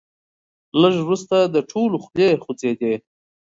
لږ وروسته د ټولو خولې خوځېدې.